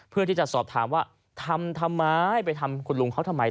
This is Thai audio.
เพื่อที่จะสอบถามว่าทำทำไมไปทำคุณลุงเขาทำไม